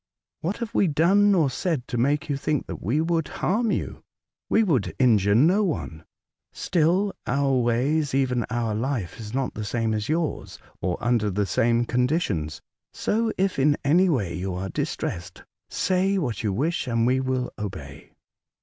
"What have we done or said t. make you think that we would harm you P We would injure no one. Still our ways, evrn our life, is A Night with Unearthly Friends, 207 not the same as yours, or under tlie same con ditions. So, if in any way you are distressed, say what you wish, and we will obey."